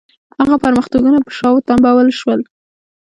هغه پرمختګونه پر شا وتمبول شول.